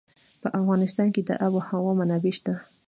په افغانستان کې د آب وهوا منابع شته.